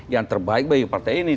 yang terbaik bagi partai ini